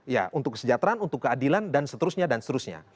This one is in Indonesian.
ya untuk kesejahteraan untuk keadilan dan seterusnya dan seterusnya